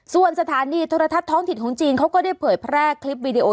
ส่วนสถานีโทรทัศน์ท้องถิ่นของจีนเขาก็ได้เผยแพร่คลิปวิดีโอ